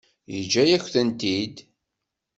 Yeǧǧa-yak-tent-id.